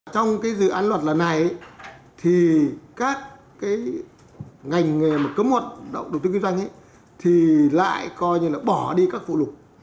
trong cái dự án luật là này thì các cái ngành nghề mà cấm hoạt động đầu tư kinh doanh thì lại coi như là bỏ đi các phụ lục